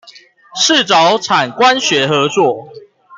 是找產官學合作